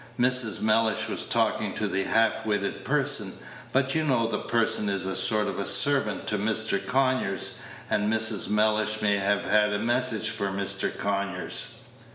Mrs. Mellish was talking to the half witted person; but you know the person is a sort of servant to Mr. Conyers, and Mrs. Mellish may have had a message for Mr. Conyers."